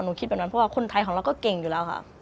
คิดแบบนั้นเพราะว่าคนไทยของเราก็เก่งอยู่แล้วค่ะ